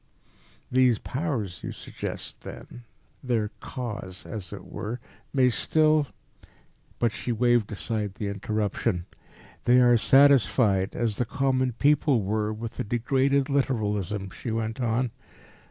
"These Powers, you suggest, then their Kas, as it were may still " But she waved aside the interruption. "They are satisfied, as the common people were, with a degraded literalism," she went on.